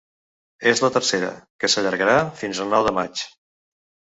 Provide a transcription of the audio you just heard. És la tercera, que s’allargarà fins el nou de maig.